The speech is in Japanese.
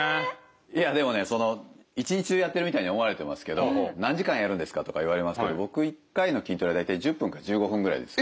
いやでもね一日中やってるみたいに思われてますけど「何時間やるんですか？」とか言われますけど僕１回の筋トレで大体１０分か１５分ぐらいです。